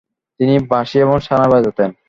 তিনি বাঁশি এবং সানাই বাজাতেন।